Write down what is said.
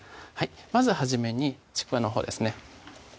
まず初めにちくわのほうですね